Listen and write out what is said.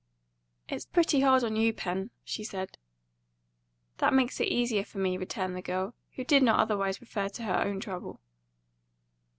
"It's pretty hard on you, Pen," she said. "That makes it easier for me," returned the girl, who did not otherwise refer to her own trouble.